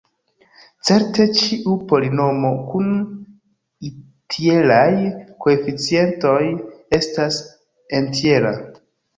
Certe ĉiu polinomo kun entjeraj koeficientoj estas entjera.